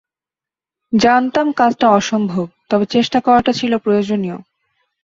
জানতাম কাজটা অসম্ভব, তবে চেষ্টা করাটা ছিল প্রয়োজনীয়।